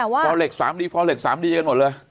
ฟอเล็กสามดีฟอเล็กสามดีกันหมดเลย